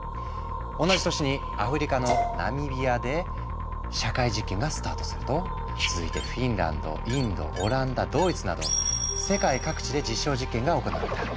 同じ年にアフリカのナミビアで社会実験がスタートすると続いてフィンランドインドオランダドイツなど世界各地で実証実験が行われた。